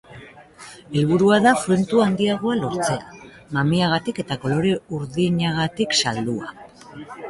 Helburua da fruitu handiagoa lortzea, mamiagatik eta kolore urdinagatik saldua.